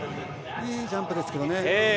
いいジャンプですけどね。